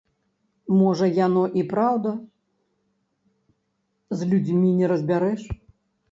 Можа яно і праўда, з людзьмі не разбярэш.